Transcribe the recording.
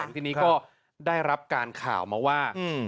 ทีนี้ก็ได้รับการข่าวมาว่า